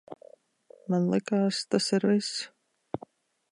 Man likās, tas ir viss.